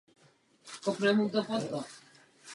Doufám, že tomu stejně bude brzy i v případě Slovinska.